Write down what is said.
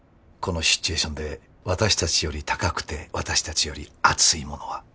このシチュエーションで私たちより高くて私たちより熱いものは